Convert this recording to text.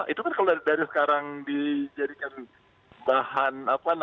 itu kan kalau dari sekarang dijadikan bahan